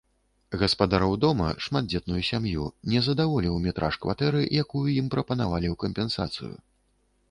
Гаспадароў дома, шматдзетную сям'ю, не задаволіў метраж кватэры, якую ім прапанавалі ў кампенсацыю.